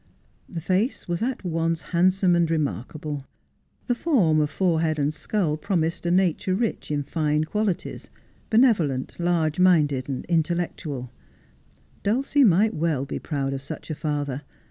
The face was at once handsome and remarkable. The form of forehead and skull promised a nature rich in fine qualities, benevolent, large minded, intellectual. Dulcie might well be proud of such a father.